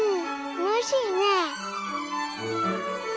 おいしいね。